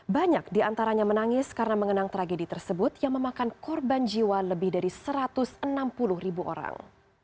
banyak diantaranya menangis karena mengenang tragedi tersebut yang memakan korban jiwa lebih dari satu ratus enam puluh ribu orang